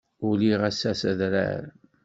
Uliɣ ass-a s adrar.